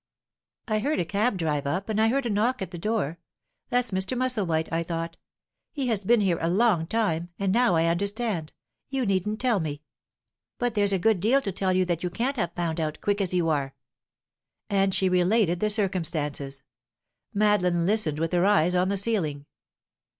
"I heard a cab drive up, and I heard a knock at the door. 'That's Mr. Musselwhite,' I thought. He has been here a long time, and now I understand. You needn't tell me." "But there's a good deal to tell that you can't have found out, quick as you are." And she related the circumstances. Madeline listened with her eyes on the ceiling.